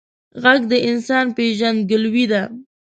غږ د انسان پیژندګلوي ده